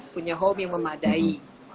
punya home yang memadai